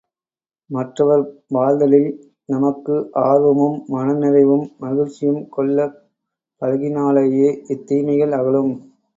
மற்றவர் வாழ்தலில் நமக்கு ஆர்வமும், மன நிறைவும் மகிழ்ச்சியும் கொள்ளப் பழகினாலேயே இத் தீமைகள் அகலும்.